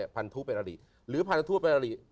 พันธุเป็นอะหรี่